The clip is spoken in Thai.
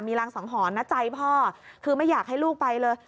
รางสังหรณ์นะใจพ่อคือไม่อยากให้ลูกไปเลย